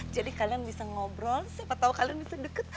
jadi kalian bisa ngobrol siapa tau kalian bisa deket